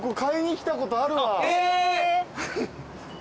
え！